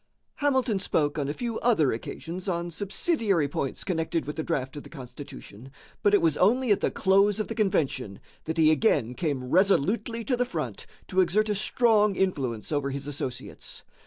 Hamilton spoke on a few other occasions on subsidiary points connected with the draft of the Constitution, but it was only at the close of the convention that he again came resolutely to the front to exert a strong influence over his associates.